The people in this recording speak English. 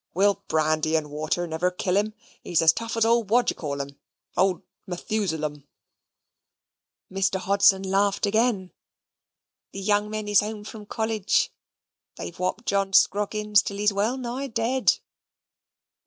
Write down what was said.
Will brandy and water never kill him? He's as tough as old whatdyecallum old Methusalem." Mr. Hodson laughed again. "The young men is home from college. They've whopped John Scroggins till he's well nigh dead."